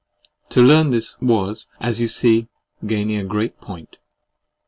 To learn this was, as you see, gaining a great point.